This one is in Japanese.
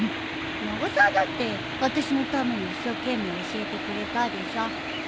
永沢だってあたしのために一生懸命教えてくれたでしょ。